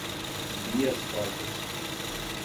Bias Fortes